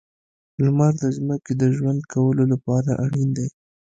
• لمر د ځمکې د ژوند کولو لپاره اړین دی.